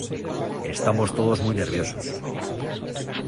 estamos todos muy nerviosos.